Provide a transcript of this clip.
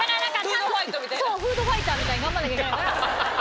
フードファイターみたいな。に頑張んなきゃいけないから。